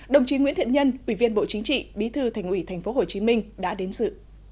đồng chí nguyễn thiện nhân ủy viên bộ chính trị bí thư thành ủy tp hcm đã đến sự